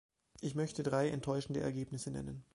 Ich möchte drei enttäuschende Ergebnisse nennen.